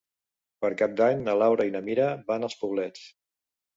Per Cap d'Any na Laura i na Mira van als Poblets.